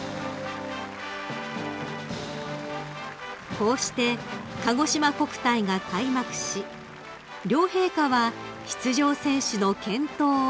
［こうしてかごしま国体が開幕し両陛下は出場選手の健闘を願われました］